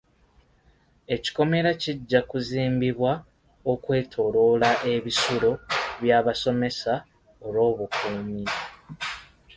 Ekikomera kijja kuzimbibwa okwetooloola ebisulo by'abasomesa olw'obukuumi.